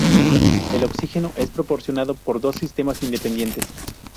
El oxígeno es proporcionado por dos sistemas independientes.